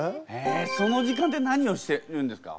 その時間ってなにをしてるんですか？